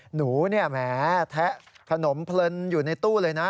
หนูแม้แทะขนมเพลินอยู่ในตู้เลยนะ